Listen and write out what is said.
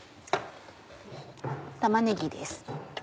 玉ねぎです。